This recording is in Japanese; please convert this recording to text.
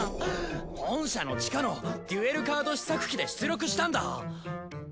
本社の地下のデュエルカード試作機で出力したんだ。